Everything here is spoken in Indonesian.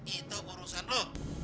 itu urusan lo